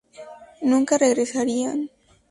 Nunca regresarían.